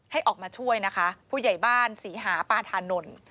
ให้ออกมาช่วยนะคะผู้ใหญ่บ้านศรีหาปาธานนท์